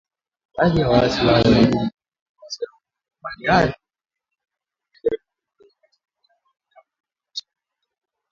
Baadhi ya waasi hao walirudi Jamhuri ya kidemokrasia ya Kongo kwa hiari huku wengine wakiamua kubaki katika kambi ya jeshi la Uganda.